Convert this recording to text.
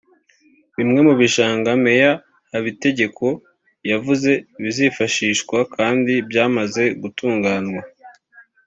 Bimwe mubishanga Meya Habitegeko yavuze bizifashishwa kandi byamaze gutunganwa